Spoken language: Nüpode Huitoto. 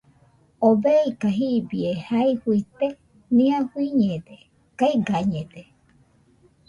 ¿Oo beika jibie jae fuite?nia fuiñede, kaigañede.